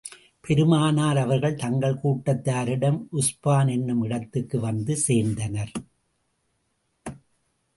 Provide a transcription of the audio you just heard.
பெருமானார் அவர்கள் தங்கள் கூட்டத்தாருடன் உஸ்பான் என்னும் இடத்துக்கு வந்து சேர்ந்தனர்.